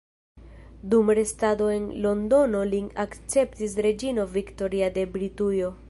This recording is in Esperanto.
Dum restado en Londono lin akceptis reĝino Viktoria de Britujo.